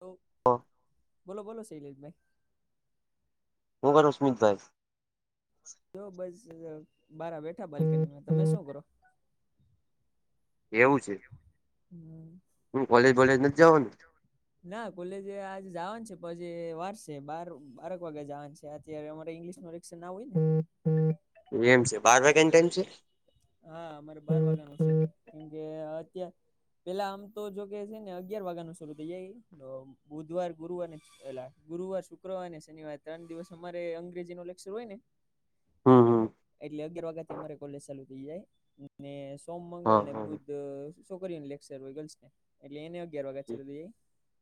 તો હું બોલો બોલો શૈલેશભાઈ. હું કરો ઉસ્મિતભાઈ? જો બસ અઇયા બારા બેઠા બારકેટમાં તમે શું કરો? એવું છે. હમ. હું કોલેજ બોલેજ નથી જવો ને? ના કોલેજ આજે જવાનું છે પછી વારસે બાર બારક વાગ્યે જાવન છે અત્યારે અમારે ઇંગ્લિશનો રિકશન ના હોય ને. એમ છે બાર વાગ્યે ટાઈમ છે? હા અમારે બાર વાનું છે કેમકે અત પેલા આમ તો જો કે છે ને અગિયાર વાગ્યાનું શુરૂ થઈ જાય તો બુધવાર ગુરુવાર એલા ગુરુવાર શુક્રવાર ને શનિવાર ત્રણ દિવસ અમારે અંગ્રેજી નો લેક્ચર હોય ને. હમ હમ એટલે અગિયાર વાગ્યાથી અમારે કોલેજ ચાલુ થઇ જાય. ને સોમ મંગળ હા ને હા બુદ્ધ છોકરીઓને લેક્ચર હોય ગલ્સને. એટલે એને અગિયાર વાગે ચલી દઇએ,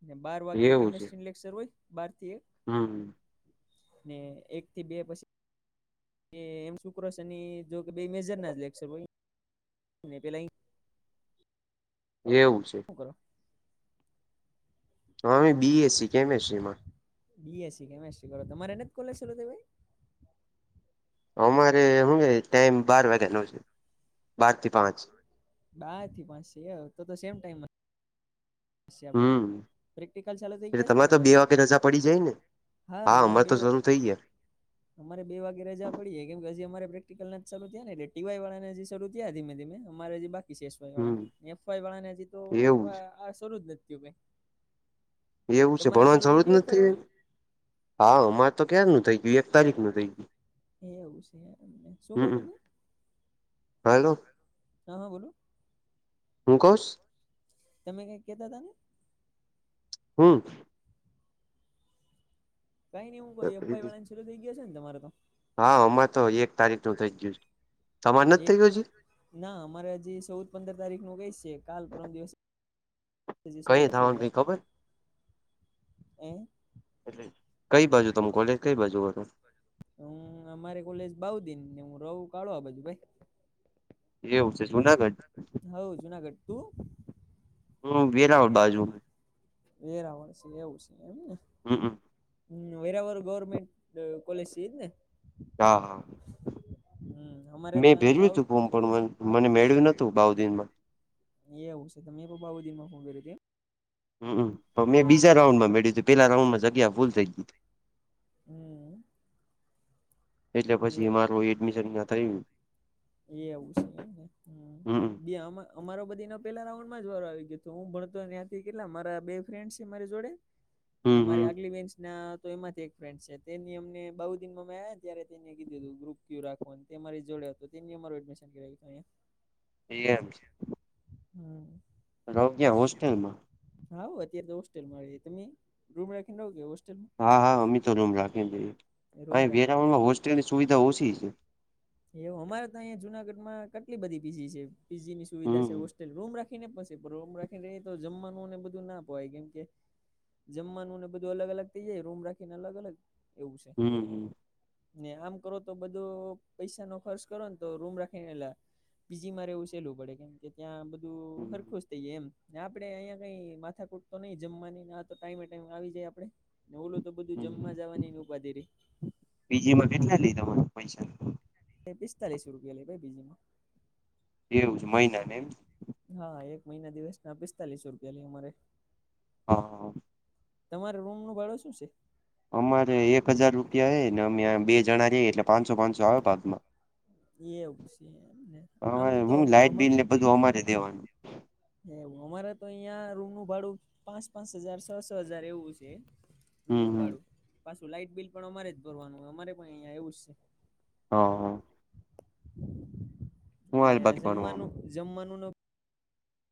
ને બાર વાગે એવું છે કેમસ્ટ્રી લેક્ચર હોય બાર થી એક. હમ. ને એક થી બે પછી એ એમ શુક્ર શનિ જો કે બે મેજરના જકસે પહી ને પેલા ઇ એવું છે. શું કરો. હ ય બી એસ સી કેમિસ્ટ્રીમાં. બીએસસી કેમેસ્ટ્રી કરો તમારે એને જ કોલેજ છલો તમે? અમારે હું ટાઈમ બાર વાગ્યાનો છે, બાર થી પાંચ. બાર થી પાંચ છે તો સેમ ટાઈમ સે આપડે હમ પ્રેક્ટિકલ ચાલુ થઈ એટલે ગયા છે તો બે તમારે? વાગે રજા પડી જાય ને હા અમારે તો બેવ શરૂ થઈ ગયા અમારે બે વાગે રજા પડીએ કેમ કે હજી અમારે પ્રેક્ટિકલ ના જ ચાલુ થયા ને એટલે ટીવાય વાળાને શરું થીયા ધીમે ધીમે અમારે જે બાકી કિસેસશાઈ હમ વાળાને એફવાઈ વાળાને હજી તો એવું આ શરૂ જ ન થીયું ભાઈ. એવું છે ભણવાની થઈ જરૂર જ ગયું એફવાય નથી? વાળાને એ હા અમારે તો ક્યાર ન થઈ ગયું એક તારીખ નું થઇ ગયું. એ એવું છે એમને શું કહો તમે? હલો, હા હા બોલો હું કોશ? તમે કઈ કેતા હતા ને. હમ. કઈ નઈ હું કઈ એફફાઈવાળાને શરૂ થઈ ગયા છે ને તમારે તો હા હમા તો એક તારીખનું થઈ ગયું છે તમારે નથી એક થઈ ગયુ હજી ના અમારે હજી ચૌદ પંદર તારીખનું કઇ સે કાલ પરમ દિવસ હજી કઈ શરૂતા થઇ થવાનું કઈ ગયા ખબર એ એટલે કઈ બાજુ તમે કોલેજ કઈ બાજુ હતા હું અમારે કોલેજ બઉ દીન ને હું રોવ કાળો આ બાજુ ભાઈ એવું છે જુનાગઢ હવ જુનાગઢ તું હું વેરાવળ બાજુ વેરાવળ સે એવું સે એમ ને હમ્મ હમ્મ હમ્મ વેરાવાર ગવર્મેન્ટ દ કોલેજ એજ ને હા હા હમ અમારે તો મેં અહી ભેજ્યું બાવ હતું ફોમ પણ મને મેળ્યું નતું બઉ દિનમાં એ આવવું છે તમે એ બઉ દિનમાં ફોન કર્યું તેમ, હમ્મ તો મેં બીજા રાઉન્ડમાં એવું મેળ્યું તું પેલા રાઉન્ડમાં જગ્યા ફૂલ થઈ એટલે પછી મારું એડમિશન ના થયું એવું છે એમને હમ્મ હમમ બે આમાં અમારો બધી ન પેલા રાઉન્ડમાં જ વારો આવી ગયો હતો હું ભણતો ત્યાંથી કેટલા મારા બે ફ્રેન્ડ છે. મારી જોડે [inaudible] નિનેમારે હમ આ માં એક ફ્રેન્ છે. તેની અમને બુ દિનમાં મે્યા ત્યારે તેને કીધે લુ ગ્રુપ રાખ તે મારી જોડે હતો તેની અમાર એડમિશન કરાયતું અયા એ હમ્મ રહો કયાં હોસ્ટેલ માં હા અત્યારે તો હોસ્ટેલમાં તમે રૂમ રાખીને આવ કે હોસ્ટલ હા હા અમે તો રૂમ રાખીને દઈએ રૂમ અહી રાખીને રહો વેરાવળ માં હોસ્ટેલની સુવિધા ઓછી છે. એવ અમારે ત્યા અં જુનાગઢ માં કેટલી બધી પીજી છે. પીજી ની સુવિધા છે હમ હોસ્ટેલ રૂમ રાખી રાખીને પછીમ રાખીને તો જમવાનુંને બધું ના પવાય કેમ કે જમવાનું ને બધું અલગ અલગ થઇ જાય રૂમ રાખીને અલગ અલગ એવું છે. હમ ને આમ કરો તો બધું પૈસા નો ખર્ચ કરો ને તો રૂમ રાખીનેલા પી જી મા રે વું સહેલવું પડે કેમ કે ત્યાં હમ હરખુંજ થય જાય એમ આપડે અહિયાયા કઈ માથા કૂટ તો નઈ જમવાની ના તો ટાઈમે ટાઈમે આવી જાય આપડે ને ઓલુ તો બધું જમવા જવાની ની ઉપાધી રહી બીજી માં કેટલા લઈ દવાનું પૈસા એ પિસ્તાલીસ રૂપિયા લે ભાઈ પી જી માં એ એવું છે મહિના ને એમ હા એક મહિના દિવસ ના પિસ્તાલીસ રૂપિયા લે અમારે હા તમારે રૂમ નું ભાડો શું છે. અમારે એક હજાર રૂપિયા હ ને અમે બે જણા રહીયે એટલે પાંચસો પાંચસો આવ ભાગમાં એવું છે એમને આમ અરે તો હું અમારે લાઈટ બિલને બધું અમારે દેવાનું હવ અમારે તો અહિયાં રૂમ નું ભાડું પાંચ પાંચ હજાર છ. છ. હજાર એવું છે. હમ રૂમનું હમ ભાડું પાછું લાાઈટ બિલ પણ અમારે જ ભરવાનું અમારે પણ અહીંયા એવું જ છે. હ હું ને હાલે બાકી જમવાનું ભણવામાં જમવાનું ન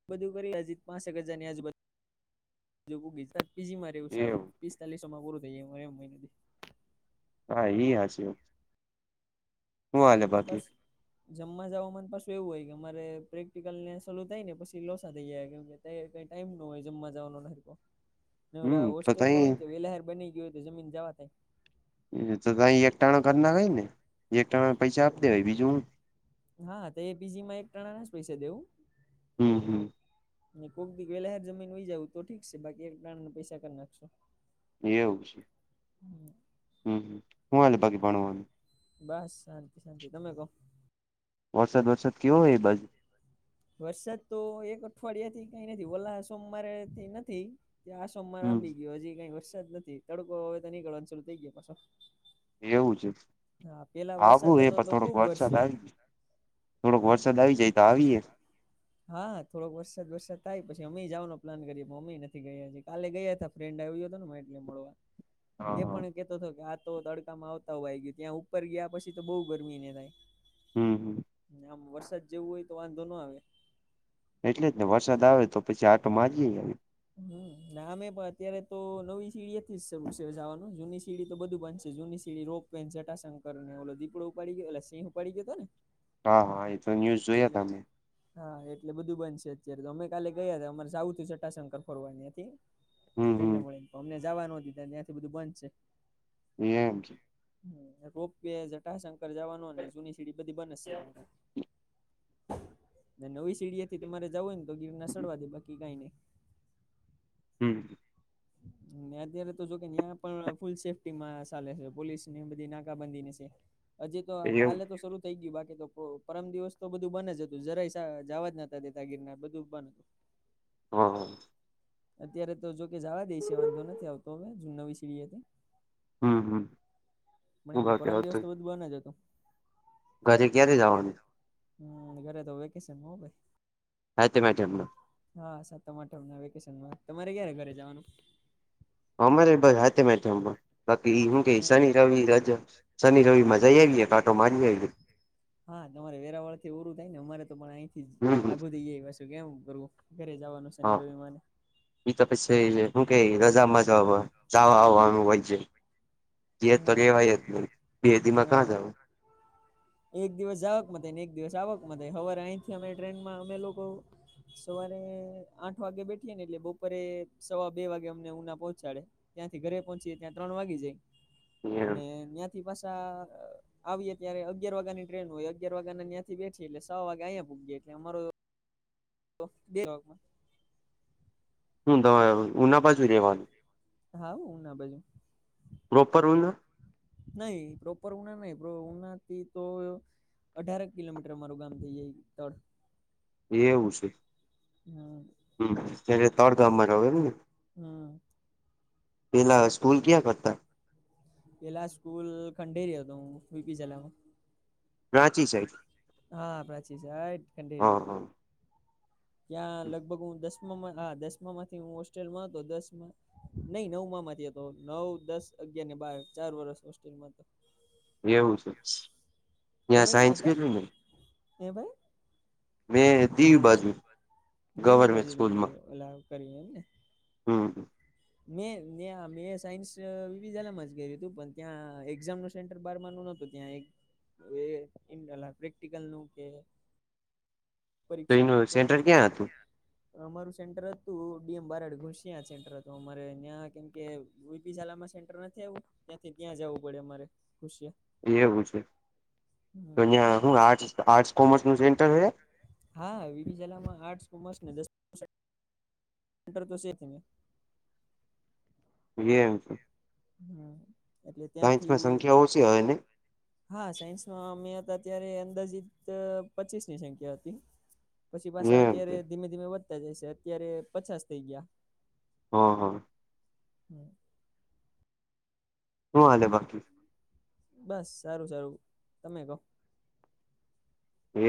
બધું કરી હજી પાંસેક હજાર ની આજુબાજુ બગી પી જીમાંવું સારું એવું પિસ્તાલીસોમાં પૂરું થઈ જાયમ હોય નથી હા ઈ હાચુ બાકી બસ જમવા જવા માને પાછું એવું હોય કે અમારે પ્રેક્ટિકલ ને સલું થાય ને પછી લોસા થઈ જાય કેમ એ કઈ ટાઈમ નો હોય જમવા જવાનો હરખો. [inaudible] ને ઓલા તો હોસ્ટેલમાં હોય તઈ તો વેલાહ બની ગીયું હોય તો જમીને જાવા ડે. તો કઈ એક ટાણા કર નખાય ને એક ટાણાના પૈસા આપી દેવાય બીજું હું હા તો એપીજી માં એક ટણા ના જ પૈસા દેવું. હમ્મ હમ્મ. ને કોક દી વેલા હ જમીન વઈ જાવું તો ઠીક છે. બાકી એક ટાણા ના પૈસા કરી નાખશું. એવું છે. હમ્મ હું હાલે બાકી ભણવાનું. બસ શાંતિ-શાંતિ તમે કો. વરસાદ બરસાદ કેવોય એ બાજુ. વરસાદ તો એક અઠવાડિયાથી કઈ નથી ઓલા સોમવારેથી નથી આ સોમવાર હમ આંબી ગયો હજી કઈ વરસાદ જ નથી તડકો હવે તો નીકળવાનું ચાલુ થઈ ગયો પાછો. એવું છે. હા પેલા વરસાદ આવું હે હતો પણ તો થોડોક ખુબ વરસાદ વરસ્યો. આવી થોડોક એ વરસાદ આવી જાય તો આવીએે. હા થોડોક વરસાદ બરસાદ થાય પછી અમએ જવાનો પ્લાન કરીએ પણ અમેય નથી ગયા હજી. કાલે ગયા તાં. ફ્રેન્ડ આવી ગીયો હતો મહેક ને મળવા. [inaudible] તે પણ કેતો હતો કે આ તો તડકામાં આવતા હોયઈ ગયું ત્યાં ઉપર ગયા પછી તો બહુ ગરમી એને થાય. હમ હમ આમ વરસાદ જેવું હોય તો વાંધો નો આવે. એટલે જ ને વરસાદ આવે તો પછી આટો મારી એ આવે. હમ્મ ને આમે પણ અત્યારે તો નવી સીડીએ થીજ છે ઉછે જવાનું. જૂની સીડી તો બધું બનશે જૂની રોપવે, જટાશકર ને ઓલો દીપડો ઉપડી ગયો એટલે સિહ ઉપાડી ગયો હતો ને. હા હા એ. તો ન્યૂઝ જોયા એટલે. તા મેં હા એટલે બધું બનશે અત્યારે તો અમે કાલે ગયા હતા અમારે જવ છું જટાશંકર ફોરવા ન્યાંથી. હમ ફ્રેન્ડ હમ ને મળીને અમને જાવા નો દીધા ન્યાંથી બધું બંધ છે. એમ. રોપ વે, જટાશંકર જવાનું ને જૂની સીડી બધી બને છે હમણા. ને નવી સીડીએ થી તમારે જાવું હોય ને તો ગીરના સડવા ડે બાકી કાંઈ નઈ. હમ્મ. અત્યારે તો જોકે ત્યાં પણ ફૂલ સેફ્ટી માં ચાલે છે પોલીસ ને બધી નાકાબંધીની છે. હજી તો એવું કાલે તો શરૂ થઈ ગયું બાકી તો પરમ દિવસ તો બધું બન જ હતું જરાય જવા જ નતા દેતા ગીરના બધું બન. હ. અત્યારે તો જો કે જાવા દે છે વાંધો નથી આવતો હવે નવી સીડીએ થી. હમ હમ મ હું બાકી પરમ દિવસ આવતું તો બધું જ હતું. ઘરે ક્યારે જવાનું ઘરે તો વેકેશનમા હો ભાઈ. [unintelligible] હા સાતમ આઠમ ના વેકેશનમાં. તમારે ક્યારે ઘરે જવાનું. અમારે બસ હાથમ આઠમમા બાકી હું કે હે શનિ રવિ રજા શનિ રવિમા જઈ આવીએ એક આંટો મારી આઈએ. હા તમારે વેરાવળથી ઓરું થાય ને અમારે પણ અહીંથી જ હમ આગું થઈ જાય. શું કેવું હ કરું ઘરે જવાનું છે ન રવિ મા ન એ તો પછી હું કઈ રજા મજા જવા આવવાનું હોય છે. ઘેર તો રેવાય જ નહીં હમ બે દીમાં કાં ના જાવ. એક દિવસ જવાક મ ને એક દિવસ આવક માટે હવારે અહીંથી ટ્રેનમાં અમે લોકો સવારે આઠ વાગે બેઠીએ ને એટલે બપોરે સવા બે વાગે અમને ઉના પહોંચાડે. ત્યાંથી ઘરે પહોંચી ત્યાં ત્રણ વાગી જાય અને ત્યાંથી પાછા આવીએ ત્યારે અગિયાર વાગ ની ટ્રેન હોય અગિયાર વાગ્યા ના ત્યાંથી બેઠી એટલે સ વાગે અહીંયા પુંગીએ એટલે અમારો [inaudible] [inaudible] હું તમારે ઉના પાછુ રહેવાનું. હા હુ ના બઈ પ્રોપર હુન નહી પ્રોપર ઉનાર નહી ઉનારથી તોયો અઢાર કિલોમીટર મારું ગામ થઈ જાય તળ એવું છે હમ હમ ત્યારે તળ ગામમાં રહો એમ ને હમ પેલા સ્કૂલ ક્યાં કરતા પેલા સ્કૂલ ખંડેરી હતો હું વીપી જલામાં રાંચી સાઈડ હા પ્રચી જાય કડેરી હા હા ત્યાં લગભગ હું દસમામાં હા દસમા માંથી હું હોસ્ટેલમાં હતો દસમાં નહી નવ માંથી ગયોતો નવ દસ અગિયારને બાર ચાર વર્ષ હોસ્ટેલમાં હતો એવું છે. ત્યાં તમે ક્યાં સાયન્સ હતા કર્યું ને હે ભાઈ મેં દિવ બાજુ દીવ ગવર્મેન્ટ બાજુ તમે સ્કૂલમાં ઓલા કર્યું એમ ને હમ હમ. મેં ત્યા મેં સાયન્સ [unintelligible] જ કર્યું હતું પણ ત્યાં એક્ઝામ ન સેન્ટર બારનું ત્યાં એ પ્રેક્ટલનું કે તો પરીક્ષા એનું સેન્ટર ક્યાં હતું. અમારું સેન્ટર હતું ડી એમ બારાડ ઘોસ સેન્ટર હતું. અમારે ત્યાં કેમ કે બીજી શાલામાં સેન્ટર નથી આવું ત્યાંથી ત્યાં જવું પડે અમારે ખુશીએ. એવું છે તો અહીં હું આર્ટ આર્ટસ કોમર્સનું સેન્ટર છે. હા, વીડીજલામાં આર્ટસ કોમર્સ ને દસ સેન્ટર તો સેજ એમ. હમ એટલે સાયન્સમાં ત્યાંથી સંખ્યા ઓછી હોય ને હા, સાયન્સમાં અમે હતા અત્યારે અંદાજીત પચીસની સંખ્યા હતી. પછી પાછા એમ છે અત્યારે ધીમે-ધીમે વધતા જશે અત્યારે પંચાસ થઇ ગયા. હા. હા. હમ. હુ અને બા બસ સારુ સારું તમે કહો.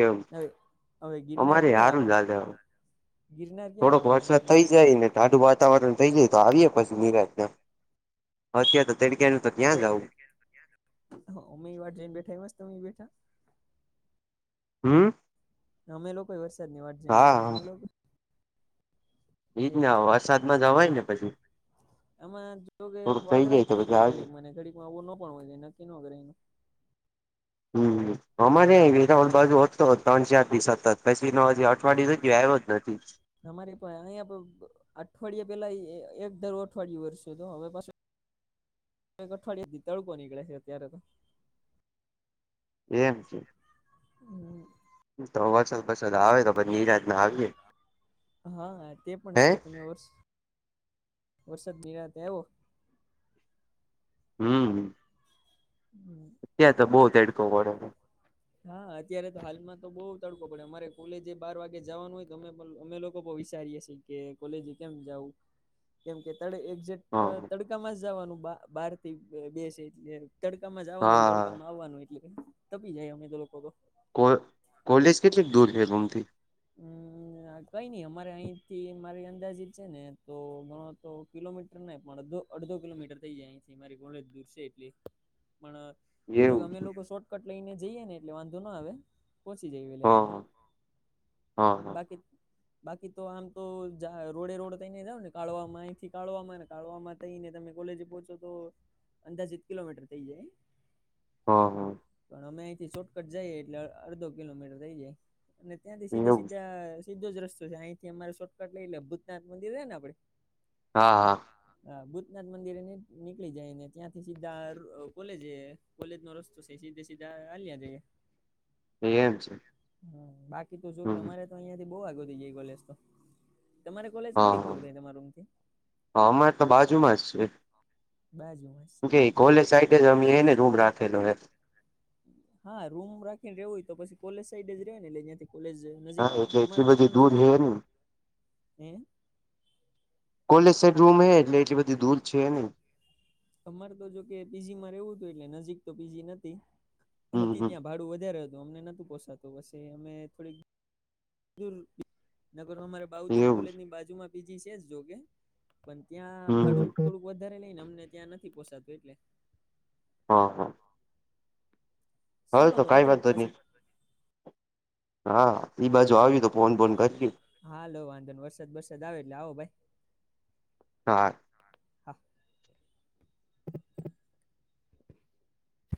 એવુ, હવે હવે ગિરનાર અમારે ક્યારે હારું આવવાનું ગિરનાર ક્યારે થોડોક આવવાનું હોય વરસાદ થઇ તમારે જાય ને દાઠઢું વાતાવરણ થઈ જાય તો આવીએે પછી. ની રાતના અત્યાં તો તડગનું તો ત્યાં જ આવું. હમ્મ, એ વાર જઈને બેઠા હ મસ્તમે બેઠા. હમ્મ. અમે લોકો વરસાદની વાત જઈને બેઠા ને હા તમે લોકો એજ ને એવું વરસાદમાં જવાય ને પછી આમાં જો કે થોડુંક વાદળા તો થઈ પછી જાય આવે ઘડીકમાં આવું ન પણ હોય નક્કી એ હમ્મ. અમારે વીઘોન બાજુ હોતો ત્રણ-ચારથી સતત પછી ન હજી અઠવાડિય જોયો આવ્યો જ નથી. અમારે પણ અયા અઠવાડિયા પેલા એક દર અઠવાડિયે વર્ષે તો હવે પાસે અવાડિયાથી તડકો નીકળે છે અત્યારે તો. એમ છે. હમ્મ. તો વરસાદ બરસાત આવે તો પછી નિરાતના આવીએે. હા તે પણ છે તને વર્ષ તમે વરસાદ નિરાતે આવો. હમ્મ. હમ્મ. તડકો પડે હા અત્યારે તો હાલમાં તો બહુ તડકો પડે અમારે કોલેજ બાર વાગે જવાનું હોય તો અમે અમે લોકો વિચારીએ. કેમ કે કોલેજે કેમ જાઉ? [inaudible] કેમ કે તરે એક્ઝેક્ટ હા તડકામાં જ જવાનું બ બહારથી [unintelligible] તડકામાં જવાનું, હા તડકામાં આવવાનું, એટલે તપી જાય અમે તો લોકો તો. કોલ કોલેજ કેટલીક દૂર છે ગોમથી? અમ્મ આ કંઈ નહી અમારે અહીંથી મારી અંદાજીત છે ને તો ગણો તો કિલોમીટ ટર પણ અડધો-અડધો કિલોમીટર થઇ જાય આહીંથી મારી દૂર છે એટલી. પણ જોકે એવું અમે લોકો શોર્ટકટ લઈને જઈએ ને એટલે વાંધો ના આવે, પહોંચી જઈ વહેલાં હા ન્યાં. હા. હા બાકી બાકી તો આમ તો જા રોડે-રોડ થઈને જાવ ને કાડવામાં, અહીંથી કાડવામાં ને કાડવામાં થઈને તમે કોલેજ પહોંચો તો અંદાજિત કિલોમીટર થઈ જાય. હા, હા. પણ અમે અહીંથી શોર્ટકટ જાઈએ એટલે અડધો કિલોમીટર થઈ જાય. અને ત્યાંથી એવું સીધે-સીધા સીધો જ રસ્તો છે, અહીંથી અમારે શોર્કટ લઈ લે, ભૂતનાથ મંદિર હે ને આપણે? હા, હા. હા ભૂતનાથ મંદિરેને નીકળી જાય ને ત્યાંથી સીધા કોલેજે કોલેજ નો રસ્તો સે, સીધે-સીધા હાલ્યા જાઈએ. એમ છે. હા. બાકી તો જો કે હમ અમારે તો અહિયાં થી બહુ આઘો થઈ જાય કોલેજ તો. તમારે કોલેજ હા કેટલીક હા દૂર થાય તમારા રૂમ થી? અમારે તો બાજુમાં જ સે. બાજુ માં જ છે એમ ને. સાઈડ જ અમે એને રૂમ રાખેલો હે હા રૂમ રાખીને રહેવું હોય તો પછી કોલેજ સાઈડ જ રહેવાય ને. એટલે યાંથી કોલેજે હા નજીક થાય. એટલે અમારે એટલી તો બધી પણ દૂર જોકે, હે નહી હે? કોલેજ સાઇટ રૂમ હે એટલે એટલી બધી દૂર છે નહીં. અમારે તો જોકે પી જીમાં રહેવું તું એટલે નજીક તો પી જી નતી, હમ હતી હમ ત્યાં ભાડું વધારે હત તો અમને નતું પોસાતું, પસી અમે થોડીક દુર નકર અમારે બાઉદીન એવું છે. કોલેજની બાજુમાં પીજી છે જ જોકે. પણ ત્યાં ભાડું હમ થોડુંક વધારે લઈને અમને ત્યાં નથી પોસાતું એટલે. હા, હા. હાલ ચાલો તો કાંઈ મિત્રો વાંધો નહી. પછી હા. ઈ બાજુ આવી તો ફોન બોન કરજે. હા હાલો વાંધો નહીં. વરસાદ બરસાદ આવે એટલે આવો ભાઈ. હા. હા